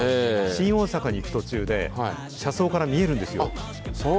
新大阪に行く途中で車窓から見えるんですよ。